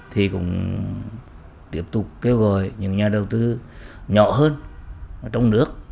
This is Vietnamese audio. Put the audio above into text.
thì cũng tiếp tục kêu gọi những nhà đầu tư nhỏ hơn trong nước